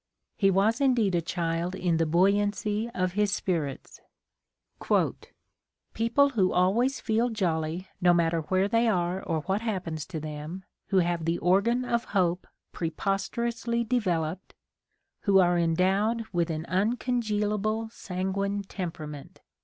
He was indeed a child in the buoyancy of his spirits. "People who always feel jolly, no matter where they are or what happens to them, who have the organ of Hope preposterously developed, who are endowed with, an uneongealable sanguine temperament